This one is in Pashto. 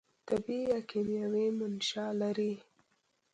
طبي یا کیمیاوي منشأ لري.